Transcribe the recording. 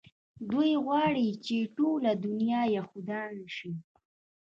دوى غواړي چې ټوله دونيا يهودان شي.